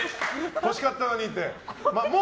欲しかったのに！